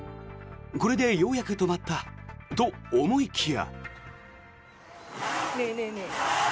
これでようやく止まったと思いきや。